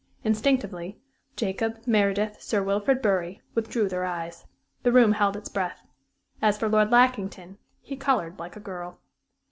Instinctively, Jacob, Meredith, Sir Wilfrid Bury withdrew their eyes. The room held its breath. As for Lord Lackington, he colored like a girl.